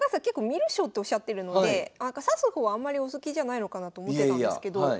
結構観る将っておっしゃってるので指す方はあんまりお好きじゃないのかなと思ってたんですけど。